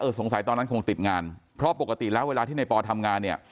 สงสัยตอนนั้นคงติดงานเพราะปกติแล้วเวลาที่ในปอทำงานเนี่ย